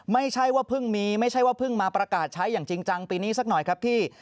ไม่ใช่ว่าเพิ่งมีไม่ใช่ว่าเพิ่งมาประกาศใช้อย่างจริงจังปีนี้สักหน่อยครับพี่